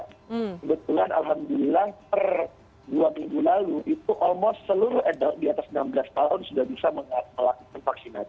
kebetulan alhamdulillah per dua minggu lalu itu almos seluruh atdown di atas enam belas tahun sudah bisa melakukan vaksinasi